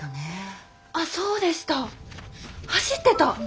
あっそうでした走ってた。